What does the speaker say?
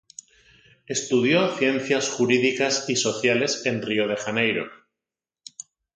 Estudió ciencias jurídicas y sociales en Río de Janeiro.